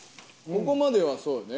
ここまではそうよね。